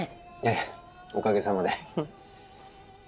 ええおかげさまで。